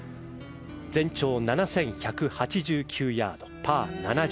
全長７１８９ヤード、パー７０。